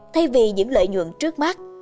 thay vì những lợi nhuận trước mắt